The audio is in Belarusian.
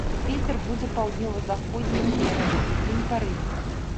Вецер будзе паўднёва-заходні ўмераны, удзень парывісты.